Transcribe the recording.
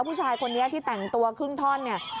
ผู้ชายคนนี้ที่แต่งตัวครึ่งท่อนเนี่ย